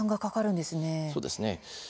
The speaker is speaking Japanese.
そうですね。